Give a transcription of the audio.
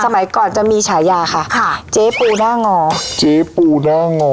สมัยก่อนจะมีฉายาค่ะค่ะเจ๊ปูด้างอเจ๊ปูด้างอ